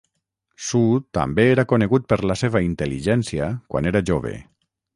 Su també era conegut per la seva intel·ligència quan era jove.